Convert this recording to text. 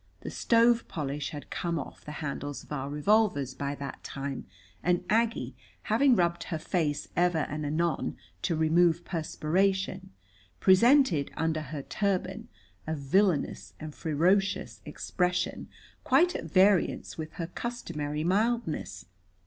The stove polish had come off the handles of our revolvers by that time, and Aggie, having rubbed her face ever and anon to remove perspiration, presented under her turban a villainous and ferocious expression quite at variance with her customary mildness.